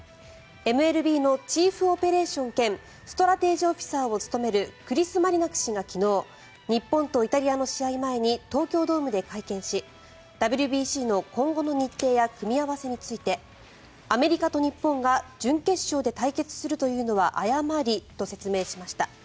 ＭＬＢのチーフオペレーション兼ストラテジーオフィサーを務めるクリス・マリナク氏が昨日日本とイタリアの試合前に東京ドームで会見しＷＢＣの今後の日程や組み合わせについてアメリカと日本が準決勝で対決するというのは誤りと説明しました。